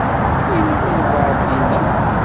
Yella walebɛaḍ dinna?